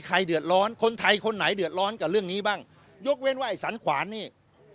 ใครเดือดร้อนคนไทยคนไหนเดือดร้อนกับเรื่องนี้บ้างยกเว้นว่าไอ้สันขวานนี่